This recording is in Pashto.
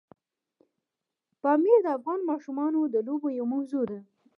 پامیر د افغان ماشومانو د لوبو یوه موضوع ده.